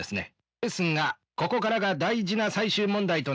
ですがここからが大事な最終問題と。